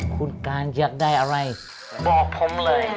คุณการอยากได้อะไรบอกผมเลย